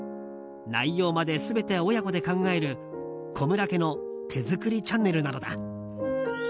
内容まで全て親子で考える古村家の手作りチャンネルなのだ。